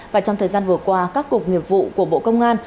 và trong thời gian vừa qua các cục nghiệp vụ của bộ công an